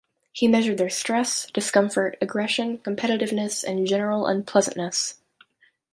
He measured their stress, discomfort, aggression, competitiveness, and general unpleasantness.